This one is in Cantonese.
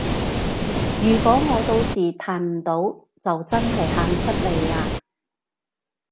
如果我到時彈唔到就真係喊出嚟啊